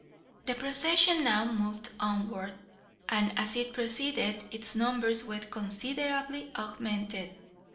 The procession now moved onward, and, as it proceeded, its numbers were considerably augmented.